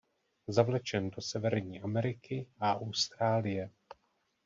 Zavlečen do Severní Ameriky a Austrálie.